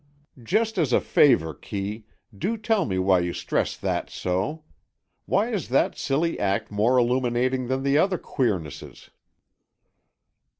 "Just as a favour, Kee, do tell me why you stress that so. Why is that silly act more illuminating than the other queernesses?"